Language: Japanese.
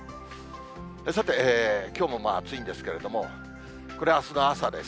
さて、きょうも暑いんですけれども、これ、あすの朝です。